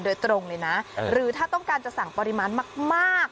โดยตรงเลยนะหรือถ้าต้องการจะสั่งปริมาณมาก